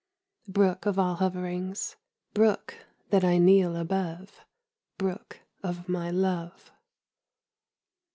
Brook of all hoverings ... Brook that I kneel above; Brook of my love.